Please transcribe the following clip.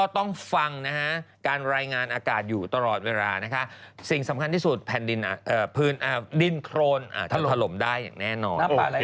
ตอนที่สุดแผ่นดินโครนอาจจะถล่มได้แน่นอน